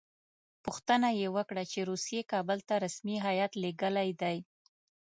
پوښتنه یې وکړه چې روسیې کابل ته رسمي هیات لېږلی دی.